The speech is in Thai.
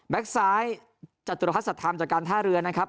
ซ้ายจตุรพัฒนสัตว์ธรรมจากการท่าเรือนะครับ